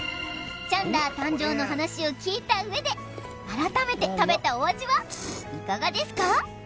ちゃんら誕生の話を聞いた上で改めて食べたお味はいかがですか？